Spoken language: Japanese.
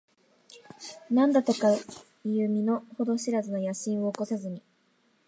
何だとかいう身の程知らずな野心を起こさずに、